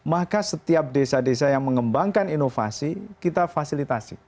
maka setiap desa desa yang mengembangkan inovasi kita fasilitasi